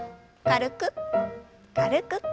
軽く軽く。